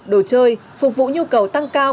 đồ chơi phục vụ nhu cầu tăng cấp